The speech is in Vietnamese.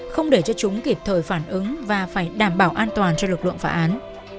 không để cho chúng kịp thời phản ứng và phải đảm bảo an toàn cho lực lượng phá án